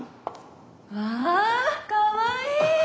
わあかわいい！